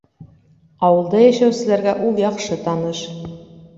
Ауылда йәшәүселәргә ул яҡшы таныш.